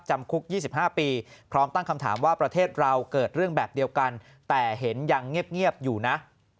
จำคุก๒๕ปีพร้อมตั้งคำถามว่าประเทศเราเกิดเรื่องแบบเดียวกันแต่เห็นยังเงียบอยู่นะ